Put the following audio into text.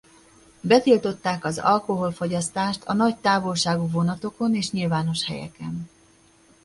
Betiltották az alkoholfogyasztást a nagy távolságú vonatokon és nyilvános helyeken.